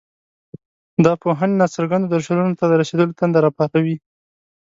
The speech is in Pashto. دا پوهنې ناڅرګندو درشلونو ته د رسېدلو تنده راپاروي.